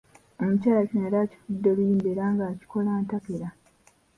Omukyala kino yali akifudde luyimba era ng’akikola ntakera.